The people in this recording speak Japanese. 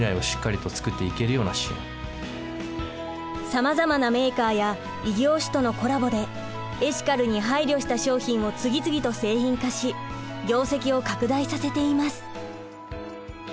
さまざまなメーカーや異業種とのコラボでエシカルに配慮した商品を次々と製品化し業績を拡大させています。